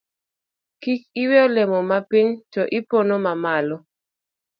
Kik iwe olemo mapiny to iponoma malo